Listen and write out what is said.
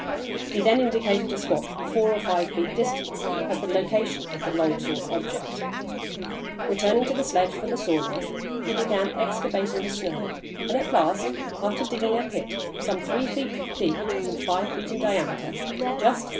He then indicated a spot four or five feet distant, as the location of the long sought object. Returning to the sledge for the saw knife, he began excavating the snow, and at last, after digging a pit, some three feet deep and five feet in diameter, just at 5.